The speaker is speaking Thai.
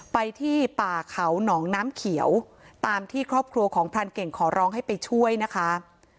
ไปที่ป่าเขาหนองน้ำเขียวตามที่ครอบครัวของพรานเก่งขอร้องให้ไปช่วยนะคะ